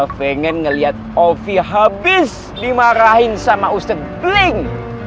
anak pengen ngelihat ovi habis dimarahin sama ustadz beling